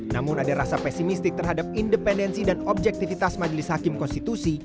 namun ada rasa pesimistik terhadap independensi dan objektivitas majelis hakim konstitusi